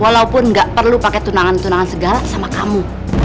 walaupun nggak perlu pakai tunangan tunangan segala sama kamu